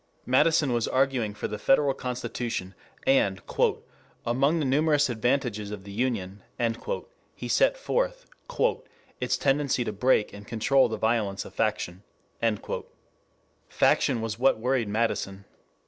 Madison was arguing for the federal constitution, and "among the numerous advantages of the union" he set forth "its tendency to break and control the violence of faction." Faction was what worried Madison.